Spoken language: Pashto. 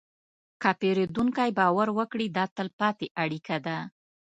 که پیرودونکی باور وکړي، دا تلپاتې اړیکه ده.